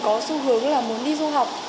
có xu hướng là muốn đi du học